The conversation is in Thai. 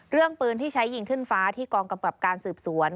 เรื่องปืนที่ใช้ยิงขึ้นฟ้าที่กองกำกับการสืบสวน